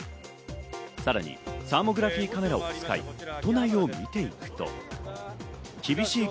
さらにサーモグラフィーカメラを使い、都内をみていくと、厳しい